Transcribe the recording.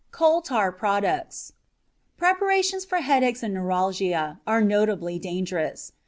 COAL TAR PRODUCTS Preparations for headaches and neuralgia are notably dangerous.